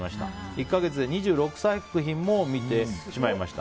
１か月で２６作品も見てしまいました。